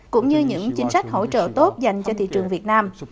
cũng như những chính sách hỗ trợ tốt dành cho thị trường việt nam